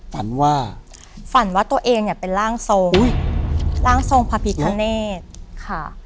ฝันว่าฝันว่าตัวเองเนี่ยเป็นร่างทรงอุ้ยร่างทรงพระพิคเนธค่ะ